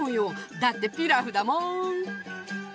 だってピラフだもん！